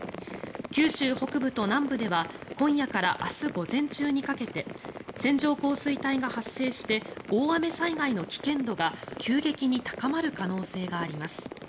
九州北部と南部では今夜から明日午前中にかけて線状降水帯が発生して大雨災害の危険度が急激に高まる可能性があります。